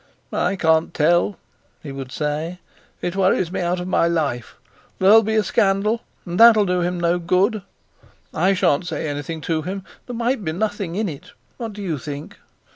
"I can't tell," he would say; "it worries me out of my life. There'll be a scandal, and that'll do him no good. I shan't say anything to him. There might be nothing in it. What do you think?